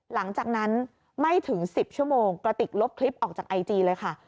หลังจากนั้นไม่ถึง๑๐ชั่วโมงกระติกลบคลิปออกจากไอจีเลยค่ะ